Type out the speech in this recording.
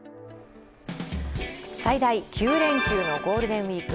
最大９連休のゴールデンウイーク